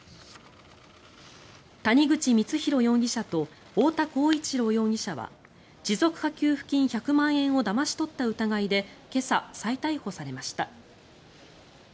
谷口光弘容疑者と太田浩一朗容疑者は持続化給付金１００万円をだまし取った疑いで今朝、再逮捕されました。